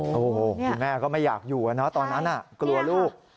โอ้โหคุณแม่ก็ไม่อยากอยู่นะตอนนั้นกลัวลูก